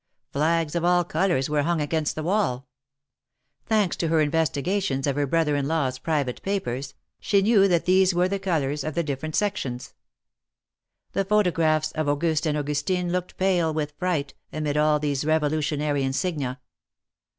Flags of all colors were hung against the wall. Thanks to her investigations of her brother in law's private papers, she knew that these were the colors of the different sections. The photographs of Auguste and Augustine looked pale with fright, amid all these Revolutionary insignia.